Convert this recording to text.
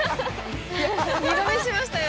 二度見しましたよ